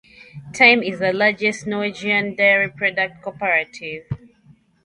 Tine is the largest Norwegian dairy product cooperative.